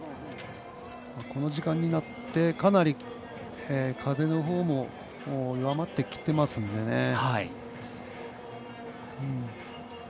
この時間になってかなり風のほうも弱まってきてますのでね。